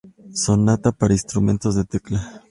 Sonatas para instrumento de tecla.